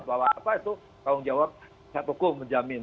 bahwa itu tanggung jawab set hukum menjamin